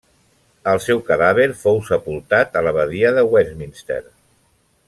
El seu cadàver fou sepultat a l'abadia de Westminster.